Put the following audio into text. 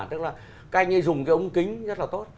tức là các anh ấy dùng cái ống kính rất là tốt